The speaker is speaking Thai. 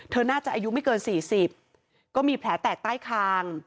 น่าจะอายุไม่เกิน๔๐ก็มีแผลแตกใต้คาง